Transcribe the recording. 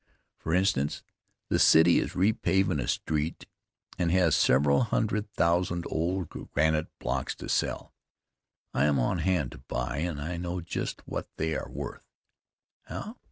For instance, the city is repavin' a street and has several hundred thousand old granite blocks to sell. I am on hand to buy, and I know just what they are worth. How?